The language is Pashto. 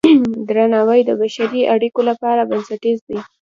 درناوی د بشري اړیکو لپاره بنسټیز دی.